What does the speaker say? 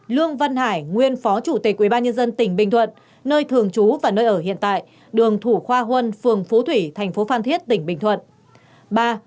hai lương văn hải nguyên phó chủ tịch ubnd tỉnh bình thuận nơi thường trú và nơi ở hiện tại đường thủ khoa huân phường phú thủy thành phố phan thiết tỉnh bình thuận